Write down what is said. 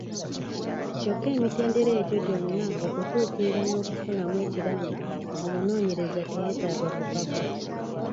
Kyokka emitendera egyo gyonna okutuukirira n’okufunamu ekiramu, omunoonyereza teyeetaaga kupapa.